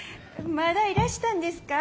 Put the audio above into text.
まだいらしたんですか？